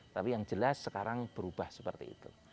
tapi yang jelas sekarang berubah seperti itu